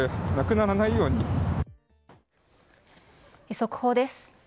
速報です。